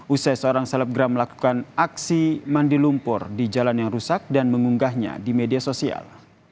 usai seorang selebgram melakukan aksi mandi lumpur di jalan yang rusak dan mengunggahnya di media sosial